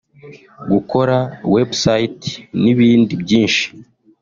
gukora website n’ibindi byinshi